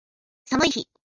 寒い日